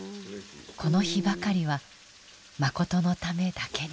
この日ばかりはマコトのためだけに。